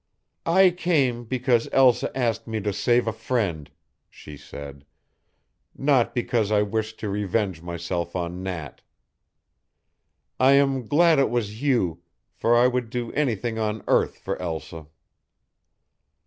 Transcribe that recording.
"I came because Elsa asked me to save a friend," she said, "not because I wished to revenge myself on Nat. I am glad it was you, for I would do anything on earth for Elsa."